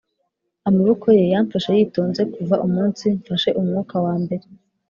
amaboko ye yamfashe yitonze kuva umunsi mfashe umwuka wambere.